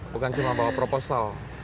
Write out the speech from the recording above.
bukan cuma bawa proposal